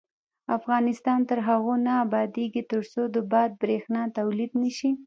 افغانستان تر هغو نه ابادیږي، ترڅو د باد بریښنا تولید نشي.